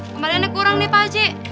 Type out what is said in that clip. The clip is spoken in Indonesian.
kembaliannya kurang nih pak aji